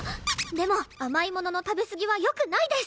でも甘いものの食べすぎはよくないです！